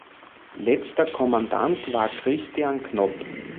Letzter Kommandant war Christian Knop.